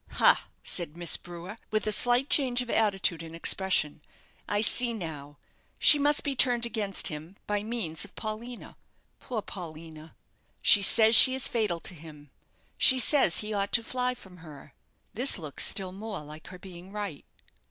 "Ha!" said Miss Brewer, with a slight change of attitude and expression, "I see now; she must be turned against him by means of Paulina poor Paulina! She says she is fatal to him; she says he ought to fly from her. This looks still more like her being right."